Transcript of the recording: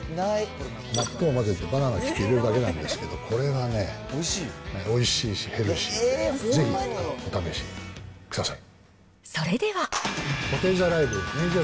納豆混ぜてバナナ切って入れるだけなんですけど、これがね、おいしいしヘルシーで、ぜひお試しください。